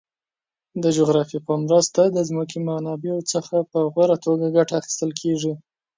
د جغرافیه په مرسته د ځمکې منابعو څخه په غوره توګه ګټه اخیستل کیږي.